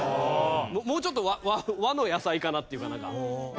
もうちょっと和の野菜かなっていうかなんか。